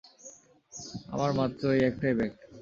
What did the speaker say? আমার মাত্র এই একটাই ব্যাগ।